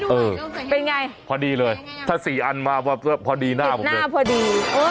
เออเป็นไงพอดีเลยถ้าสี่อันมาพอดีหน้าพอดีเอองานนี้